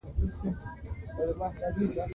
ښارونه د افغانستان د ځایي اقتصادونو بنسټ دی.